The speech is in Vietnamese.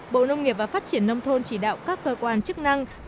bộ nông nghiệp và phát triển nông thôn chỉ đạo các cơ quan chức năng